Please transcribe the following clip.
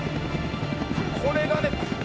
「これがね」